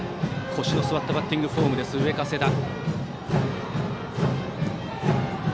腰の据わったバッティングフォームの上加世田。